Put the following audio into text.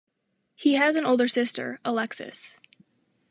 He has an older sister, Alexis.